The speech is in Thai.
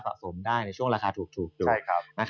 สมได้ในช่วงราคาถูก